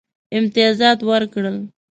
امتیازات ورکړل.